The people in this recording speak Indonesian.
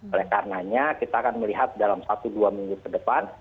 oleh karenanya kita akan melihat dalam satu dua minggu ke depan